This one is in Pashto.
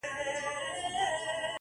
زمـــا د رسـوايـــۍ كــيســه!